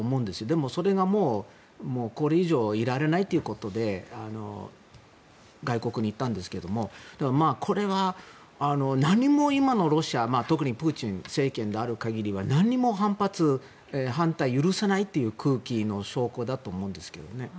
でも、それがこれ以上いられないということで外国に行ったんですけどこれは何も今のロシア特にプーチン政権である限りは何も反発、反対を許さないという空気の証拠だと思うんですけど。